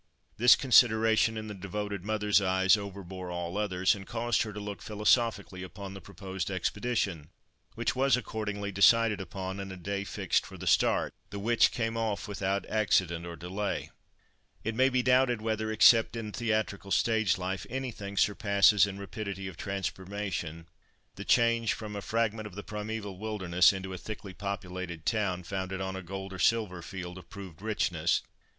This consideration, in the devoted mother's eyes, overbore all others, and caused her to look philosophically upon the proposed expedition—which was accordingly decided upon, and a day fixed for the start, the which came off without accident or delay. It may be doubted whether, except in theatrical stage life, anything surpasses in rapidity of transformation the change from a fragment of the primeval wilderness into a thickly populated town, founded on a gold or silver field of proved richness.